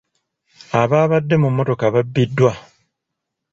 Abaabadde mu mmotoka babbiddwa.